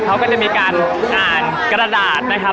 เขาก็จะมีการอ่านกระดาษนะครับ